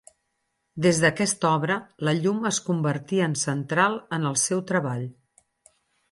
Des d'aquesta obra, la llum es convertí en central en el seu treball.